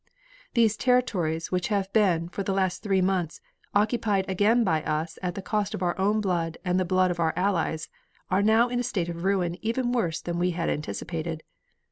"These territories which have been, for the last three months, occupied again by us at the cost of our own blood and of the blood of our allies, are now in a state of ruin even worse than we had anticipated.